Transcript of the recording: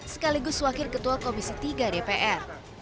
sekaligus wakil ketua komisi tiga dpr